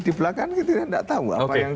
di belakang kita tidak tahu apa yang